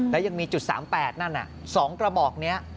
แล้วยังมีจุด๓๘นั่น๒กระบอกนี้